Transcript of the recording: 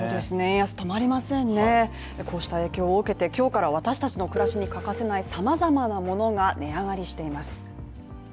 円安止まりませんね、こうした影響を受けて今日から私たちの暮らしに欠かせないさまざまなものが値上がりしています。